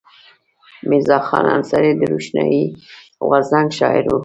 میرزا خان انصاري د روښاني غورځنګ شاعر و.